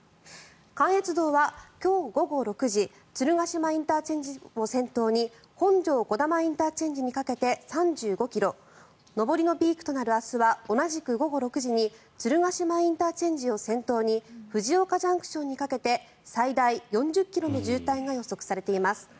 関越道は今日午後６時鶴ヶ島ＩＣを先頭に本庄児玉ＩＣにかけて３５ｋｍ上りのピークとなる明日は同じく午後６時に鶴ヶ島ＩＣを先頭に藤岡ＪＣＴにかけて最大４０ｋｍの渋滞が予測されています。